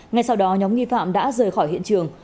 ngay sau đó nhóm nghi phạm đã rời khỏi hiện trường